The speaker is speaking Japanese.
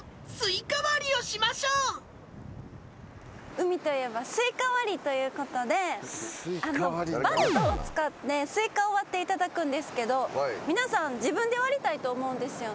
海といえばスイカ割りということでバットを使ってスイカを割っていただくんですけど皆さん自分で割りたいと思うんですよね。